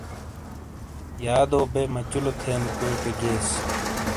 یادو بے مچلو تھین کوئی ٹے گیئس۔